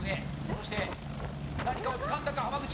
そして何かをつかんだか、浜口。